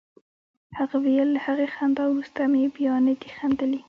هغه ویل له هغې خندا وروسته مې بیا نه دي خندلي